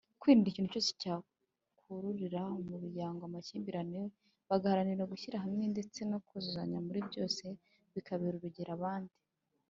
Kwirinda ikintu cyose cyakururira umuryango amakimbirane bagaharanira gushyira hamwe ndetse no kuzuzanya muri byose bikabera urugero abandi.